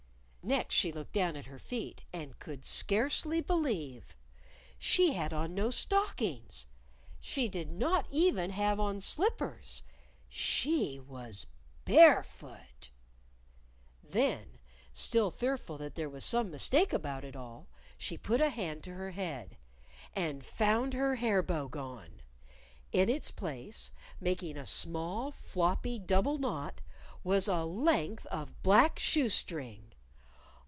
Next she looked down at her feet and could scarcely believe! She had on no stockings! She did not even have on slippers. She was barefoot! Then, still fearful that there was some mistake about it all, she put a hand to her head; and found her hair bow gone! In its place, making a small floppy double knot, was a length of black shoe string!